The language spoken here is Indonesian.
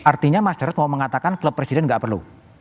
artinya mas jarod mau mengatakan klub presiden nggak perlu